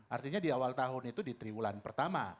artinya di awal tahun itu di triwulan pertama